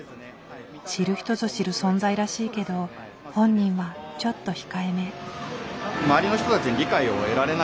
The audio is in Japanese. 知る人ぞ知る存在らしいけど本人はちょっと控えめ。